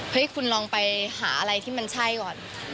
คุณลองไปหาอะไรที่มันใช่ก่อน